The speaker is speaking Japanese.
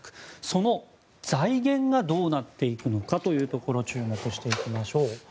その財源がどうなっていくのかというところに注目していきましょう。